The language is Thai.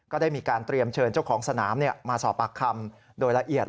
ก็ได้มีการเตรียมเชิญเจ้าของสนามมาสอบปากคำโดยละเอียด